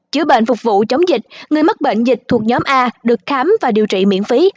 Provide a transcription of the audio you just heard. chữa bệnh phục vụ chống dịch người mắc bệnh dịch thuộc nhóm a được khám và điều trị miễn phí